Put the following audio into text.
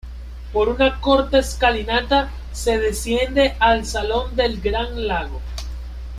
Por una corta escalinata se desciende al Salón del Gran Lago.